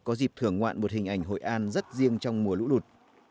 có dịp thưởng ngoạn một hình ảnh hội an rất riêng trong mùa lũ lụt